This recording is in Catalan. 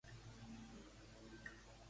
Allí, amb qui va contreure matrimoni?